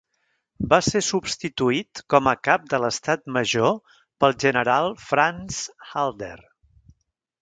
Va ser substituït com a cap de l'Estat Major pel general Franz Halder.